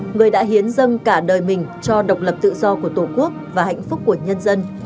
người đã hiến dâng cả đời mình cho độc lập tự do của tổ quốc và hạnh phúc của nhân dân